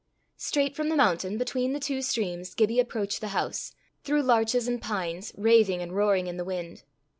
Straight from the mountain, between the two streams, Gibbie approached the house, through larches and pines, raving and roaring in the wind.